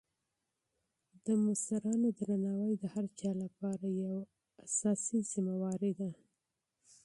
د مشرانو درناوی د هر چا لپاره یو اساسي مسولیت دی.